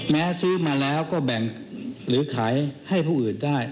ซื้อมาแล้วก็แบ่งหรือขายให้ผู้อื่นได้